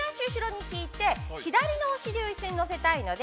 右足を後ろに引いて、左のお尻を椅子に乗せたいので。